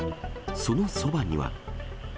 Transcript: そのそばには。